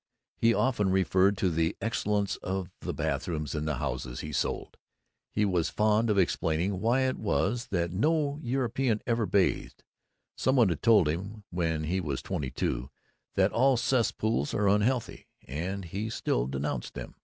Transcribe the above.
He often referred to the excellence of the bathrooms in the houses he sold. He was fond of explaining why it was that no European ever bathed. Some one had told him, when he was twenty two, that all cesspools were unhealthy, and he still denounced them.